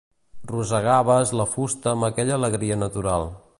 Rosegaves la fusta amb aquella alegria natural.